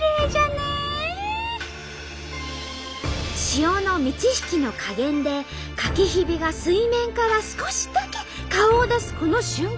潮の満ち引きの加減でかきひびが水面から少しだけ顔を出すこの瞬間。